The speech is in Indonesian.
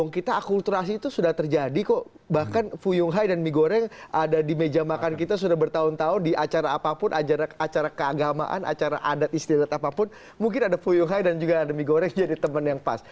kita akulturasi itu sudah terjadi kok bahkan fuyung hai dan mie goreng ada di meja makan kita sudah bertahun tahun di acara apapun acara keagamaan acara adat istiadat apapun mungkin ada fuyung hai dan juga ada mie goreng jadi teman yang pas